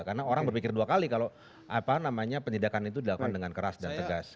karena orang berpikir dua kali kalau apa namanya penindakan itu dilakukan dengan keras dan tegas